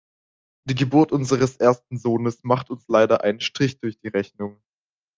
Die Geburt unseres ersten Sohnes macht uns leider einen Strich durch die Rechnung.